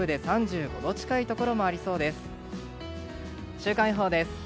週間予報です。